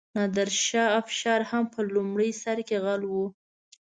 نادرشاه افشار هم په لومړي سر کې غل و.